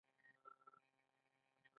غول د خوب د کموالي ستړی وي.